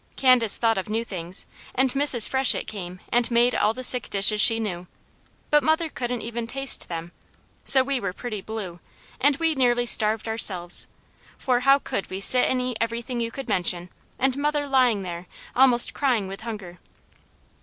Candace thought of new things, and Mrs. Freshett came and made all the sick dishes she knew, but mother couldn't even taste them; so we were pretty blue, and we nearly starved ourselves, for how could we sit and eat everything you could mention, and mother lying there, almost crying with hunger?